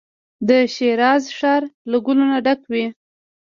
د شیراز ښار له ګلو نو ډک وي.